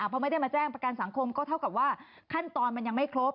พอไม่ได้มาแจ้งประกันสังคมก็เท่ากับว่าขั้นตอนมันยังไม่ครบ